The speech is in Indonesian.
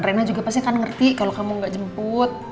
rena juga pasti akan ngerti kalau kamu gak jemput